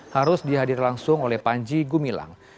harus dihadir langsung oleh panji gumilang